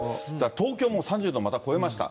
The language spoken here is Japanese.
東京も３０度、また超えました。